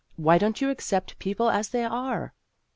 Why don't you accept people as they are